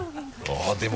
あっでも。